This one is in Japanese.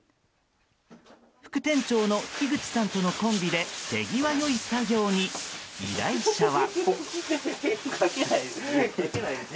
副店長の樋口さんとのコンビで手際よい作業に依頼者は。